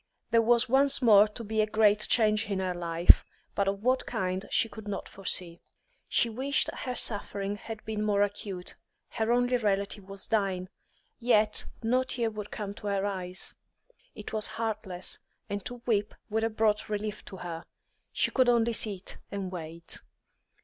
There was once more to be a great change in her life, but of what kind she could not foresee. She wished her suffering had been more acute; her only relative was dying, yet no tear would come to her eyes; it was heartless, and to weep would have brought relief to her. She could only sit and wait.